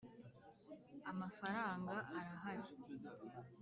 Amafaranga arahari.